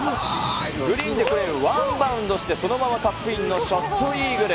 グリーンでワンバウンドしてそのままカップインのショットインイーグル。